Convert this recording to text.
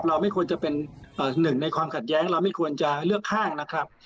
ไม่ควรจะเป็นหนึ่งในความขัดแย้งเราไม่ควรจะเลือกข้างนะครับ